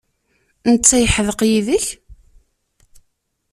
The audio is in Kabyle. Netta yeḥdeq yid-k?